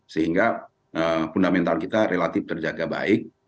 sehingga fundamental kita relatif terjaga baik